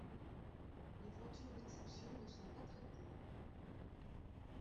Les voitures d'exception ne sont pas traitées.